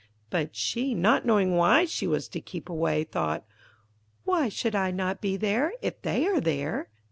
But she, not knowing why she was to keep away, thought, 'Why should I not be there, if they are there?'